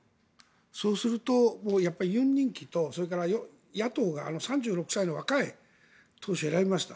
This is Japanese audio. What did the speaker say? そうするとやっぱりユン人気とそれから野党が３６歳の若い党首を選びました。